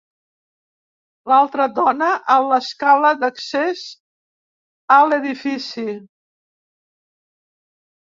L'altra dóna a l'escala d'accés a l'edifici.